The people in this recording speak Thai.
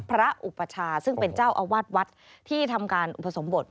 อุปชาซึ่งเป็นเจ้าอาวาสวัดที่ทำการอุปสมบท